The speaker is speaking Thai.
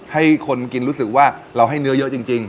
ให้คนกินรู้สึกว่าเราให้เนื้อเยอะจริง